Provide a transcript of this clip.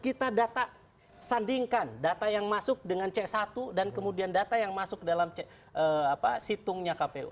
kita data sandingkan data yang masuk dengan c satu dan kemudian data yang masuk dalam situngnya kpu